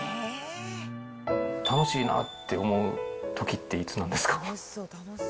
楽しいなって思うときって、いつなんですか。